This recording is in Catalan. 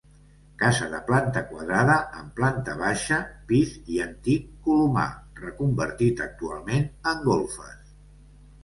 Casa de planta quadrada amb planta baixa, pis i antic colomar, reconvertit actualment en golfes.